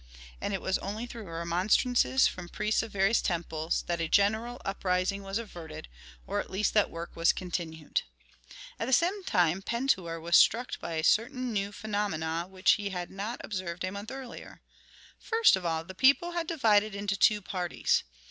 And it was only through remonstrances from priests of various temples, that a general uprising was averted, or at least that work was continued. At the same time Pentuer was struck by certain new phenomena which he had not observed a month earlier: first of all the people had divided into two parties.